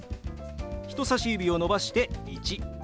人さし指を伸ばして「１」。